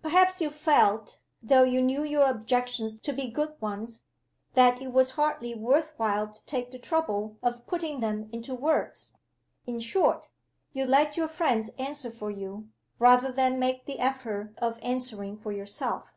"Perhaps you felt though you knew your objections to be good ones that it was hardly worth while to take the trouble of putting them into words? In short, you let your friends answer for you, rather than make the effort of answering for yourself?"